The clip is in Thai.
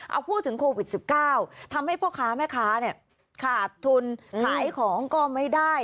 เอาพูดถึงโควิด๑๙ทำให้พ่อค้าแม่ค้าเนี่ยขาดทุนขายของก็ไม่ได้